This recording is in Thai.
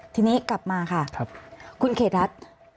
ทีนี้กลับมาค่ะคุณเขตรัฐ